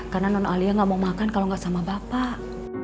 karena non alia gak mau makan kalau gak sama bapak